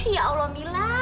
ya allah mila